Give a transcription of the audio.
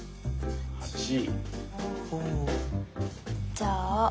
じゃあ。